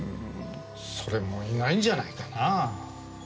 それもいないんじゃないかなぁ。